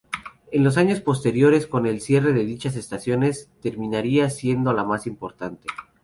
En años posteriores con el cierre de dichas estaciones terminaría siendo la más importante.